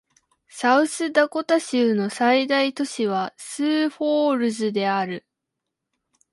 サウスダコタ州の最大都市はスーフォールズである